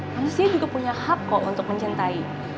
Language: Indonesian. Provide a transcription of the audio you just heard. manusia juga punya hak kok untuk mencintai